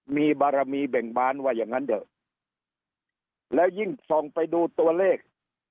มีบารมีเบ่งบานว่าอย่างนั้นเถอะแล้วยิ่งส่องไปดูตัวเลข